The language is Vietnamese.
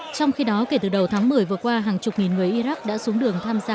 trong khi đó kể từ đầu tháng một mươi vừa qua hàng chục nghìn người iraq đã xuống đường tham gia